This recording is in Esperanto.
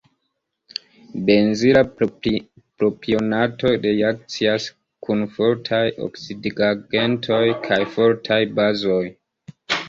Benzila propionato reakcias kun fortaj oksidigagentoj kaj fortaj bazoj.